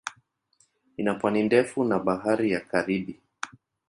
Ina pwani ndefu na Bahari ya Karibi.